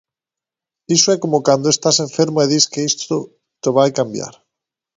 Iso é coma cando estás enfermo e dis que iso te vai cambiar.